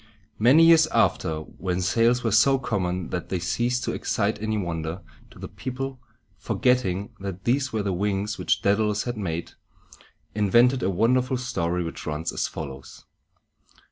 Many years after, when sails were so common that they ceased to excite any wonder, the people, forgetting that these were the wings which Dædalus had made, invented a wonderful story, which runs as follows.